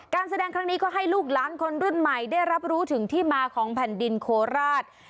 การแสดงครั้งนี้ก็ให้ลูกล้านคนรุ่นใหม่ได้รับรู้ถึงที่มาของแผ่นดินโคราช